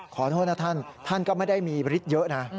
ขอโทษนะท่านท่านก็ไม่ได้มีฤทธิ์เยอะนะ